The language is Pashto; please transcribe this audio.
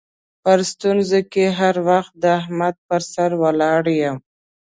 په ستونزو کې هر وخت د احمد پر سر ولاړ یم.